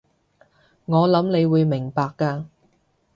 我諗你會明白嘅